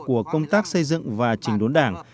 của công tác xây dựng và trình đốn đảng